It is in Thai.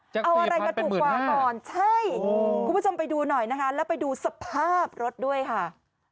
จาก๔๐๐๐เป็น๑๕๐๐๐ค่ะโอ้โฮคุณผู้ชมไปดูหน่อยนะครับแล้วไปดูสภาพรถด้วยค่ะ